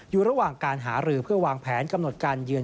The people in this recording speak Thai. อยู่ระหว่างการหารือเพื่อวางแผนกำหนดการเยือน